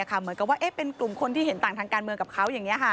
เหมือนกับว่าเป็นกลุ่มคนที่เห็นต่างทางการเมืองกับเขาอย่างนี้